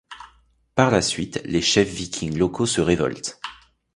Par la suite, les chefs vikings locaux se révoltent.